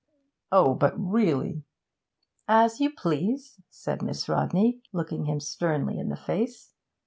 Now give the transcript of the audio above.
'Oh! but really ' 'As you please,' said Miss Rodney, looking him sternly in the face.